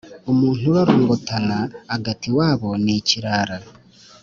Umuntu ururongotana agata iwabo n’ikirara